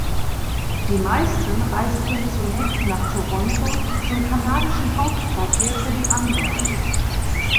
Die meisten reisten zunächst nach Toronto zum kanadischen Hauptquartier für die Anwerbung.